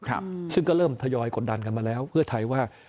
อันทยอยกดดันกันมาแล้วเพื่อไทยว่า